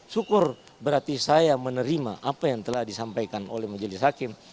syukur berarti saya menerima apa yang telah disampaikan oleh majelis hakim